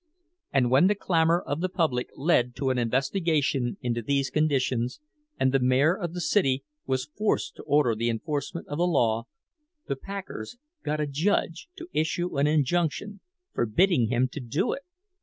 And when the clamor of the public led to an investigation into these conditions, and the mayor of the city was forced to order the enforcement of the law, the packers got a judge to issue an injunction forbidding him to do it!